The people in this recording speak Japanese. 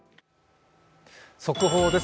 速報です。